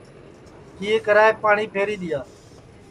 کیئے کرائیپ پاٹؔی پھری دؔیا